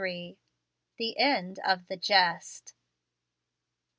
THE END OF THE "JEST."